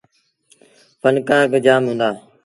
ڦنڪآر با جآم هُݩدآ۔